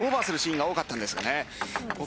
オーバーするシーンが多かったんですが。